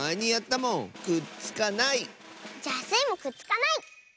じゃあスイもくっつかない！